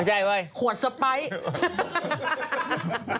ใช่เว้ยขวดสไปร์